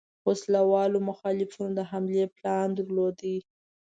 وسله والو مخالفینو د حملې پلان درلود.